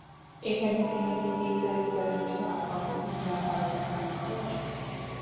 এখানে তিনি নিজেই তৈরি করেন চা, কফি, কিংবা হালকা কোনো খাবার।